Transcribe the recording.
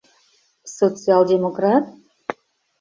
Социал-демократ?